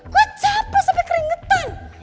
gue capek sampe keringetan